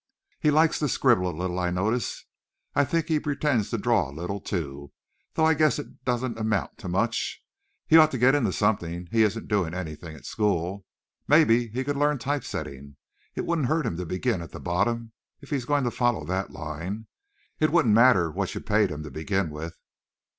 He likes to scribble a little, I notice. I think he pretends to draw a little, too, though I guess it doesn't amount to much. He ought to get into something. He isn't doing anything at school. Maybe he could learn type setting. It wouldn't hurt him to begin at the bottom if he's going to follow that line. It wouldn't matter what you paid him to begin with."